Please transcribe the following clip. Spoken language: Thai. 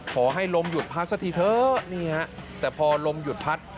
ขอให้ลมหยุดพัดสักทีเถอะนี่ฮะแต่พอลมหยุดพัด